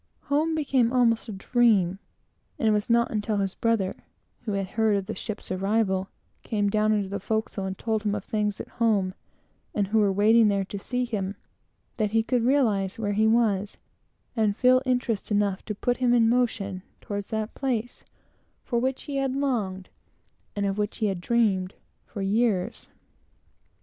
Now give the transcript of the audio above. Home became almost a dream; and it was not until his brother (who had heard of the ship's arrival) came down into the forecastle and told him of things at home, and who were waiting there to see him, that he could realize where he was, and feel interest enough to put him in motion toward that place for which he had longed, and of which he had dreamed, for years.